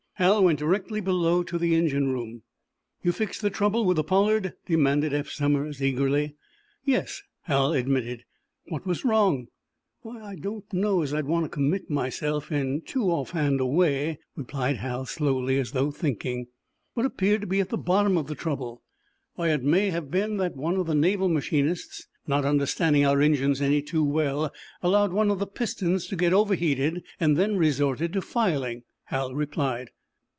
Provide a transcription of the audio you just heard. Hal went directly below to the engine room. "You fixed the trouble with the 'Pollard'?" demanded Eph Somers, eagerly. "Yes," Hal admitted. "What was wrong?" "Why, I don't know as I'd want to commit myself in too offhand a way," replied Hal, slowly, as though thinking. "What appeared to be at the bottom of the trouble?" "Why, it may have been that one of the naval machinists, not understanding our engines any too well, allowed one of the pistons to get overheated, and then resorted to filing," Hal replied.